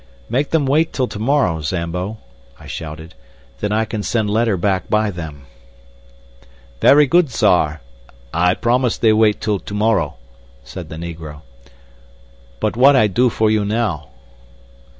"Make them wait till to morrow, Zambo," I shouted; "then I can send letter back by them." "Very good, sarr! I promise they wait till to morrow," said the negro. "But what I do for you now?"